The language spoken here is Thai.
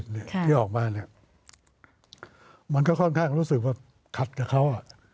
ที่ออกมามันก็ค่อนข้างรู้สึกว่าขัดกับเขา